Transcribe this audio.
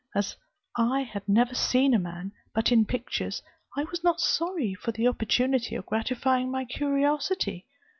As I had never seen a man, but in pictures, I was not sorry for the opportunity of gratifying my curiosity.